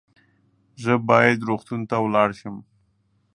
زه باید روغتون ته ولاړ شم